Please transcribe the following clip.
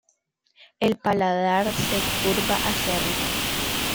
El paladar se curva hacia arriba.